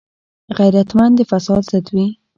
غیرتمند د فساد ضد وي